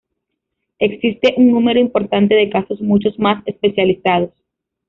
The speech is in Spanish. Existe un número importante de casos mucho más especializados.